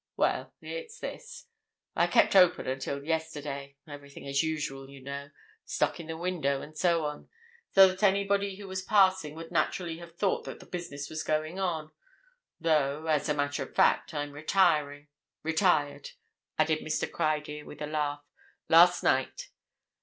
Well, it's this—I kept open until yesterday—everything as usual, you know—stock in the window and so on—so that anybody who was passing would naturally have thought that the business was going on, though as a matter of fact, I'm retiring—retired," added Mr. Criedir with a laugh, "last night.